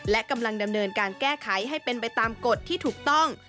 และกำลังดำเนินการแก้ไขให้เป็นไปตามกฎที่ถูกต้อง